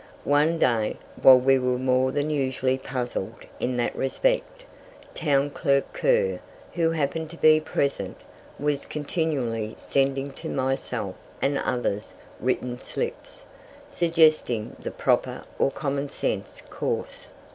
One day, while we were more than usually puzzled in that respect, Town Clerk Kerr, who happened to be present, was continually sending to myself and others written slips, suggesting the proper or common sense course.